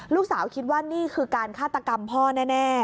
ลูกสาวคิดว่านี่คือการฆาตกรรมพ่อแน่